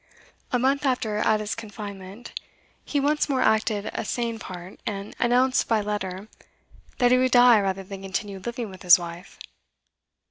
A month after Ada's confinement he once more acted a sane part, and announced by letter that he would die rather than continue living with his wife.